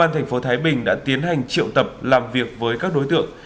thái bình đã tiến hành triệu tập làm việc với các đối tượng